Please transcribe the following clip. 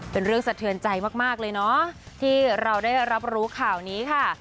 เป็นเรื่องสะเทือนใจมากเลยเนาะที่เราได้รับรู้ข่าวนี้ค่ะ